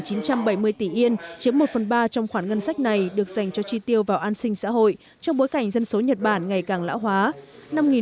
năm một nghìn chín trăm bảy mươi tỷ yên chiếm một phần ba trong khoản ngân sách này được dành cho chi tiêu vào an sinh xã hội trong bối cảnh dân số nhật bản ngày càng lão hóa